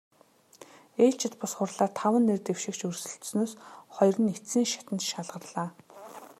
Ээлжит бус хурлаар таван нэр дэвшигч өрсөлдсөнөөс хоёр нь эцсийн шатанд шалгарлаа.